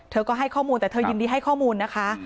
เธอก็ให้ข้อมูลแต่เธอยินดีให้ข้อมูลนะคะ